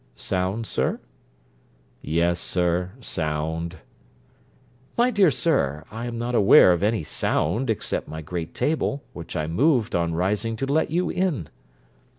'Sound, sir?' 'Yes, sir, sound.' 'My dear sir, I am not aware of any sound, except my great table, which I moved on rising to let you in.'